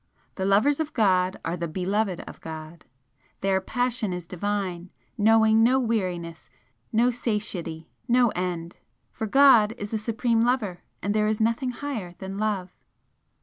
The lovers of God are the beloved of God! their passion is divine, knowing no weariness, no satiety, no end! For God is the Supreme Lover and there is nothing higher than Love!"